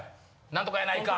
何とかやないか。